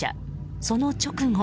その直後。